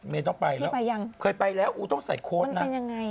ไม่ต้องไปแล้วพี่ไปยังเคยไปแล้วอู๋ต้องใส่โค้ดน่ะมันเป็นยังไงอ่ะ